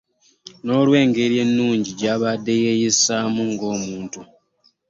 N'olw'engeri ennungi gyabadde yeeyisaamu ng'omuntu